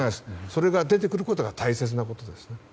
それが出てくることが大切なことです。